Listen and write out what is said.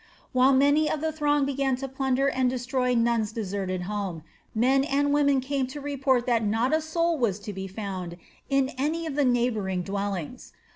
While many of the throng began to plunder and destroy Nun's deserted home, men and women came to report that not a soul was to be found in any of the neighboring dwellings.